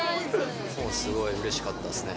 すごいうれしかったですね。